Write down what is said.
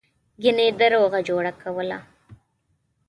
گني ده روغه جوړه کوله.